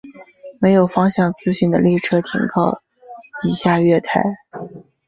没有方向资讯的列车停靠以下月台。